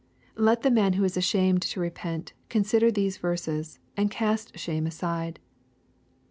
Let the man who is ashamed to repent, consider these verses, and cast shame aside.